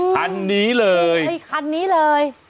คันนี้เลยคันนี้เลย